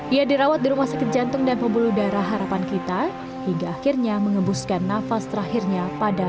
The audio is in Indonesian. ia dirawat di rumah sakit jantung dan pembuluh darah harapan kita hingga akhirnya mengembuskan nafas terakhirnya pada